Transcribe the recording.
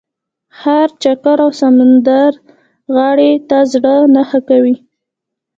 ښار چکر او سمندرغاړې ته زړه نه ښه کوي.